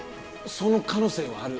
その可能性はある。